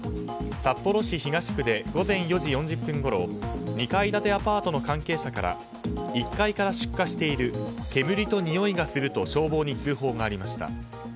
札幌市東区で午前４時４０分ごろ２階建てアパートの関係者から１階から出火している煙とにおいがすると消防に通報がありました。